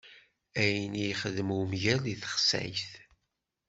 Ayen ixdem umger di texsayt.